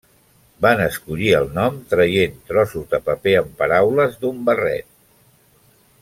Van escollir el nom traient trossos de paper amb paraules d'un barret.